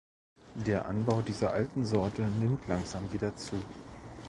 Der Anbau dieser alten Sorte nimmt langsam wieder zu.